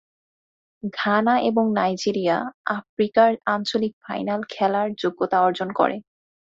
Ghana এবং Nigeria আফ্রিকার আঞ্চলিক ফাইনাল খেলার যোগ্যতা অর্জন করে।